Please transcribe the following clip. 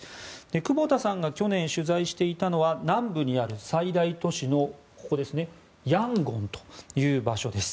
久保田さんが去年取材していたのは南部にある最大都市のヤンゴンという場所です。